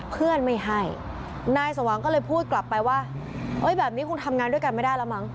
เพื่อนไม่ให้นายสว่างก็เลยพูดกลับไปว่าแบบนี้คงทำงานด้วยกันไม่ได้แล้วมั้ง